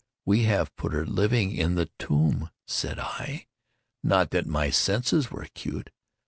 We have put her living in the tomb! Said I not that my senses were acute?